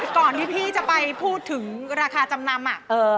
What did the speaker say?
ก่อนที่พี่จะไปพูดถึงราคาจำนำ